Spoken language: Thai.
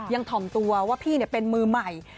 ถ่อมตัวว่าพี่เป็นมือใหม่